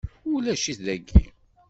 Ulac-it dagi;